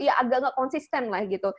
ya agak nggak konsisten lah gitu